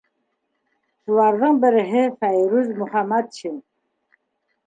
Шуларҙың береһе — Фәйрүз Мөхәмәтшин.